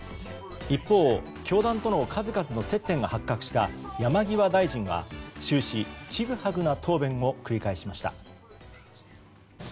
一方、教団との数々の接点が発覚した山際大臣は終始、ちぐはぐな答弁を繰り返しました。